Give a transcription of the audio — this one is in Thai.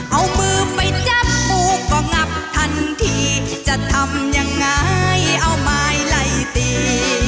เอามือไปจับปูก็งับทันทีจะทำยังไงเอาไม้ไล่ตี